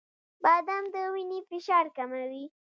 • بادام د وینې فشار کموي.